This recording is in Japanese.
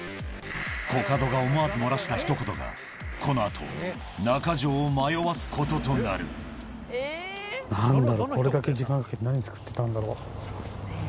コカドが思わず漏らしたひと言が、このあと、中城を迷わすこととななんだろう、これだけ時間かけて、何作ってたんだろう。